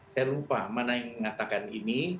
saya lupa mana yang mengatakan ini